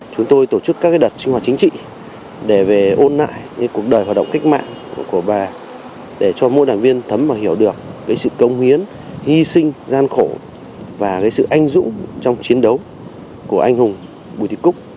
chúng tôi tổ chức các đợt sinh hoạt chính trị để về ôn lại cuộc đời hoạt động kích mạng của bà để cho mỗi đàn viên thấm và hiểu được cái sự công hiến hy sinh gian khổ và cái sự anh dũ trong chiến đấu của anh hùng bùi thị cúc